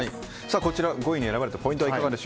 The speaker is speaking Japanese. こちら５位に選ばれたポイントは？